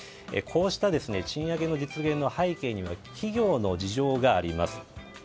こうした賃上げの実現の背景には企業の事情があります。